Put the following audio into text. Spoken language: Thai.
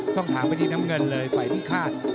ต้องถามไม่ที่น้ำเงินเลยไฟล์มิคาร